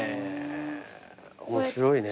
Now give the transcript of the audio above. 面白いね。